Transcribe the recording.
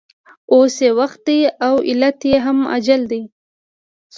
اوس یې وخت دی او علت یې هم عاجل دی